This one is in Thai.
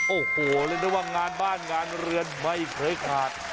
โอ้โหเรียกได้ว่างานบ้านงานเรือนไม่เคยขาด